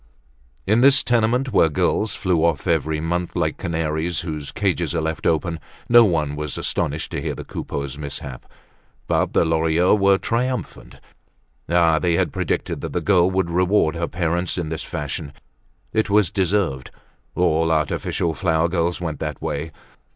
In this tenement, where girls flew off every month like canaries whose cages are left open, no one was astonished to hear of the Coupeaus' mishap. But the Lorilleuxs were triumphant. Ah! they had predicted that the girl would reward her parents in this fashion. It was deserved; all artificial flower girls went that way.